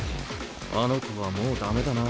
あの子はもう駄目だな。